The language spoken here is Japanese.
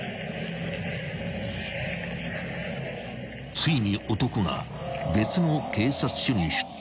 ［ついに男が別の警察署に出頭してきた］